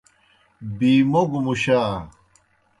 بی موگوْ مُشا۔